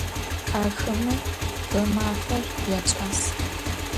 Axeme ğemafer yaç'as.